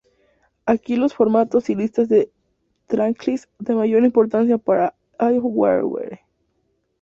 Aquí los formatos y listas de tracklist de mayor importancia para "If We Were".